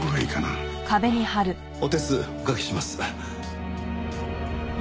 ああお手数おかけします。